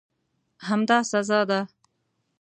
همدا سزا ده.